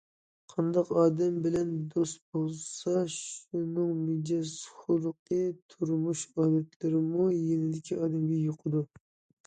قانداق ئادەم بىلەن دوست بولسا شۇنىڭ مىجەز- خۇلقى، تۇرمۇش ئادەتلىرىمۇ يېنىدىكى ئادەمگە يۇقىدۇ.